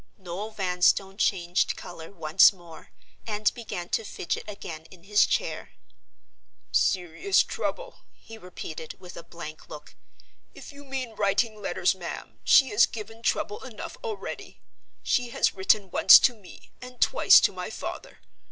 Noel Vanstone changed color once more, and began to fidget again in his chair. "Serious trouble," he repeated, with a blank look. "If you mean writing letters, ma'am, she has given trouble enough already. She has written once to me, and twice to my father.